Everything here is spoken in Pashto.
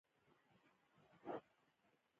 په دوبی کی سپین بولدک ډیری دوړی لری.